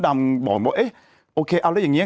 มันบอกโอเคเอาแล้วอย่างนี้